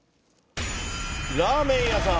「ラーメン屋さん」